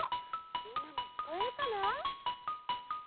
みんなもきこえるかな？